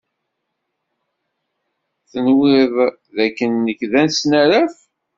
Tenwiḍ d akken nekk d asnaraf?